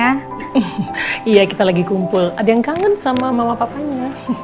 iya kita lagi kumpul ada yang kangen sama mama papanya